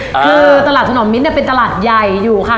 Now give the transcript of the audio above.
คือตลาดถนอมมิตรเนี่ยเป็นตลาดใหญ่อยู่ค่ะ